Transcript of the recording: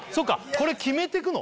これ決めてくの？